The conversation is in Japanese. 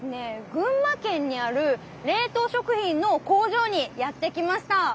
群馬県にある冷凍食品の工場にやって来ました！